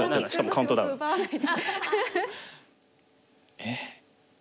えっ。